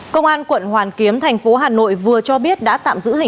công an quận hoàn kiếm thành phố hà nội vừa cho biết đã tạm dựng tài sản